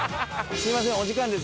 すみませんお時間です。